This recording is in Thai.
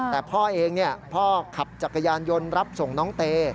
แต่พ่อเองพ่อขับจักรยานยนต์รับส่งน้องเต